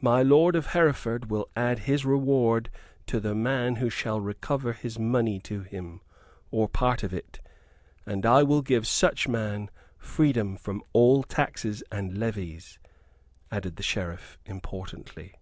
My lord of Hereford will add his reward to the man who shall recover his money to him, or part of it; and I will give such man freedom from all taxes and levies," added the Sheriff, importantly.